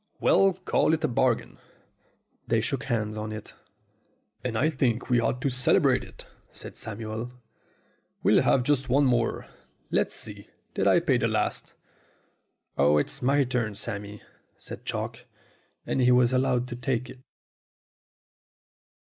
We'll call it a bargain." They shook hands on it. "And I think we ought to celebrate it," said Samuel. "We'll have just one more. Let's see, did I pay the last?" "Oh, it's my turn, Sammy," said Chalk. And he was allowed to take it.